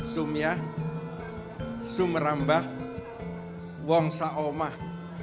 sumia sumerambah wongsa omah